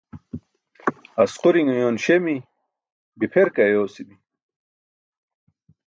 Asqurin uyoon śemi, bipher ke ayosimi.